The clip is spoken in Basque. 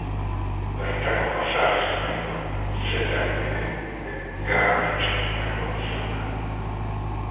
Bertako bazar historikoa Zetaren Bideko gune garrantzitsuenetakoa izan da.